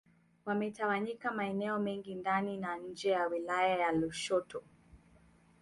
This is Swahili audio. Wametawanyika maeneo mengi ndani na nje ya wilaya ya Lushoto